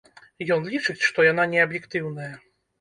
Ён лічыць, што яна неаб'ектыўная.